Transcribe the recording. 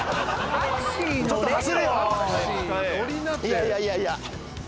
いやいやいやいや。